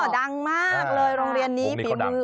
ดังมากเลยโรงเรียนนี้ฝีมือ